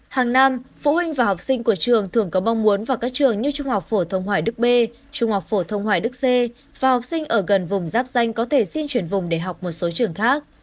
hàng năm phụ huynh và học sinh của trường thường có mong muốn vào các trường như trung học phổ thông hoài đức b trung học phổ thông hoài đức c và học sinh ở gần vùng giáp danh có thể xin chuyển vùng để học một số trường khác